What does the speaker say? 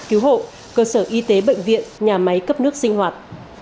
cứu hộ cơ sở y tế bệnh viện nhà máy cấp nước sinh hoạt